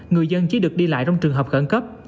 người dân chỉ được đi lại trong trường hợp khẩn cấp